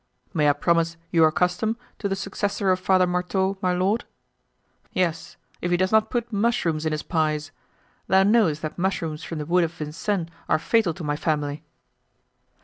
"May I promise your custom to the successor of Father Marteau, my lord?" "Yes, if he does not put mushrooms in his pies; thou knowest that mushrooms from the wood of Vincennes are fatal to my family."